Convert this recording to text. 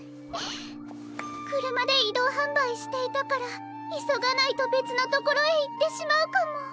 くるまでいどうはんばいしていたからいそがないとべつのところへいってしまうかも。